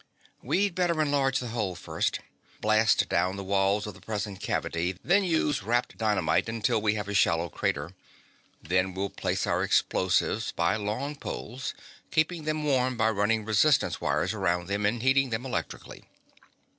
"We'd better enlarge the hole first. Blast down the walls of the present cavity, then use wrapped dynamite until we have a shallow crater. Then we'll place our explosives by long poles, keeping them warm by running resistance wires around them and heating them electrically."